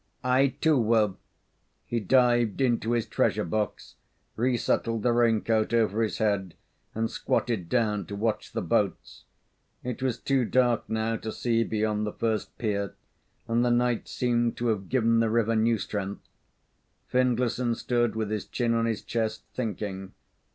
I too will " He dived into his treasure box, resettled the rain coat over his head, and squatted down to watch the boats. It was too dark now to see beyond the first pier, and the night seemed to have given the river new strength. Findlayson stood with his chin on his chest, thinking.